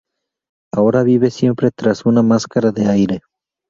Ahora vive siempre tras una máscara de aire.